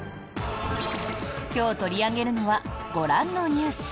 今日取り上げるのはご覧のニュース。